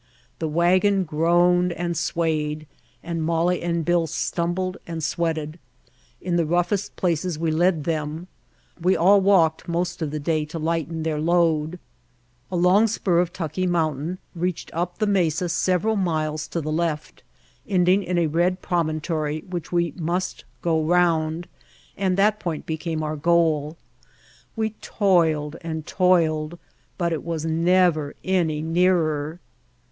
The wagon groaned and swayed, and Molly and Bill stumbled and sweated. In the roughest places we led them. We all walked most of the day to lighten their load. A long spur of Tucki Mountain reached up the mesa several miles to the left, ending in a red promontory which we must go around, and that point became our goal. We toiled and toiled, but it was never any nearer.